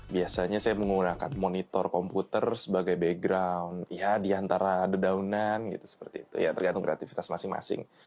biasanya saya menggunakan monitor komputer sebagai background di antara dedaunan tergantung kreativitas masing masing